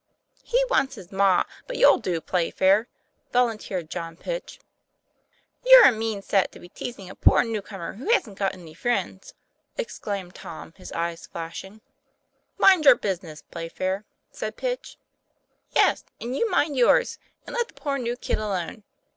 "He wants his ma, but you'll do, Playfair," vol unteered John Pitch. "You're a mean set, to be teasing a poor new TOM PLA YFAIR. 203 comer, who hasn't got any friends," exclaimed Tom, his eyes flashing. " Mind your business, Playfair," said Pitch. " Yes, and you mind yours, and let the poor new kid alone.